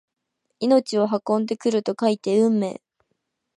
命を運んでくると書いて運命！